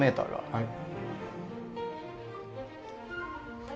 はい。